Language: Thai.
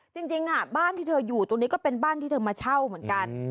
จริงบ้านที่เธออยู่ตรงนี้ก็เป็นบ้านที่เธอมาเช่าเหมือนกัน